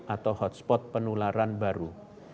atau hotspot penularan baru